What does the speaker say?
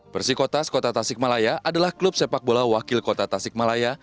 persikotas kota tasik malaya adalah klub sepak bola wakil kota tasik malaya